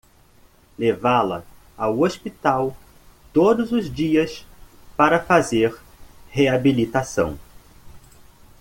Levá-la ao hospital todos os dias para fazer reabilitação